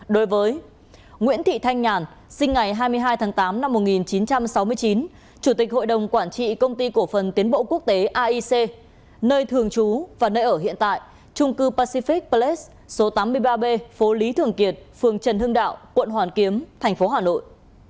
đối với nguyễn thị thanh nhàn sinh ngày hai mươi hai tháng tám năm một nghìn chín trăm sáu mươi chín chủ tịch hội đồng quản trị công ty cổ phần tiến bộ quốc tế aic nơi thường trú và nơi ở hiện tại trung cư pacific palace số tám mươi ba b phố lý thường kiệt phường trần hưng đạo quận hoàn kiếm thành phố hà nội